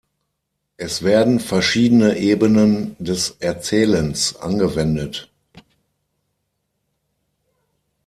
Es werden verschiedene Ebenen des Erzählens angewendet.